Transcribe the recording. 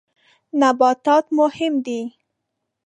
نباتات مهم دي.